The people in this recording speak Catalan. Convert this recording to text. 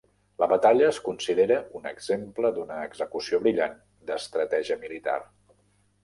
La batalla es considera un exemple d'una execució brillant d'estratègia militar.